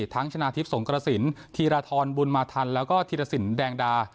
ทั้งชนะทิพย์สงครสินธีรธรบุญมาธรแล้วก็ธีรศิลป์แดงดา